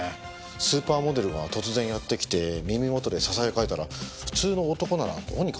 スーパーモデルが突然やって来て耳元でささやかれたら普通の男ならどうにかなっちゃいますよね。